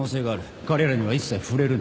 彼らには一切触れるな。